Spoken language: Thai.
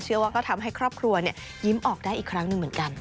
เชื่อว่าก็ทำให้ครอบครัวยิ้มออกได้อีกครั้งหนึ่งเหมือนกัน